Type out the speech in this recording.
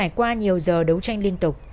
trải qua nhiều giờ đấu tranh liên tục